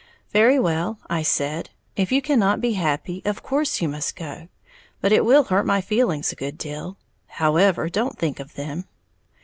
"Very well," I said, "if you cannot be happy, of course you must go. But it will hurt my feelings a good deal, however, don't think of them."